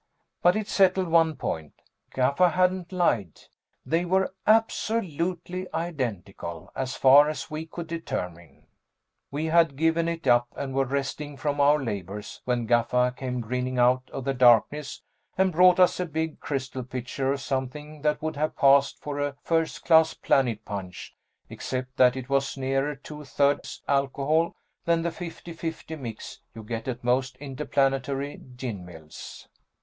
But it settled one point. Gaffa hadn't lied. They were absolutely identical, as far as we could determine. We had given it up and were resting from our labors when Gaffa came grinning out of the darkness and brought us a big crystal pitcher of something that would have passed for a first class Planet Punch except that it was nearer two thirds alcohol than the fifty fifty mix you get at most interplanetary ginmills.